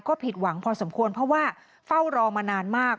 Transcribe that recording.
ก็ผิดหวังพอสมควรเพราะว่าเฝ้ารอมานานมาก